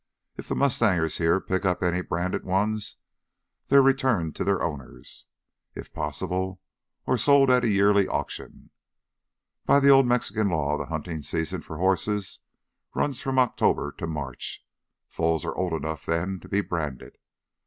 If the mustangers here pick up any branded ones, they're returned to the owners, if possible, or sold at a yearly auction. By the old Mexican law the hunting season for horses runs from October to March. Foals are old enough then to be branded.